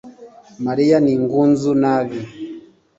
mariya ni ingunzu nabi